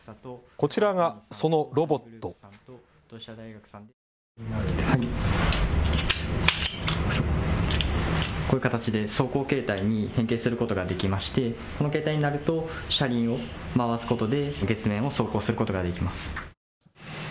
こういう形で走行形態に変形することができまして、この形態になると車輪を回すことで月面を走行することができます。